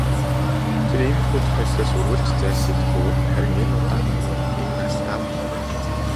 Тэр иймэрхүү тохиолдлоос үргэлж зайлсхийдэг бөгөөд харин энэ удаа энэ нь алдаа болов.